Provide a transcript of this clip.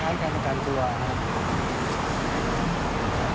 มันก็ยังอยากถามว่าทำไมต้องเป็นลูกของด้วย